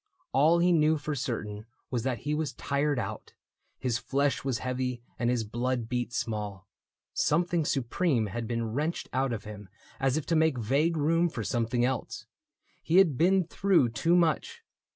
All he knew For certain was that he was tired out : His flesh was heavy and his blood beat small ; Something supreme had been wrenched out of him As if to make vague room for something else. He had been through too much.